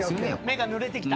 目がぬれてきた。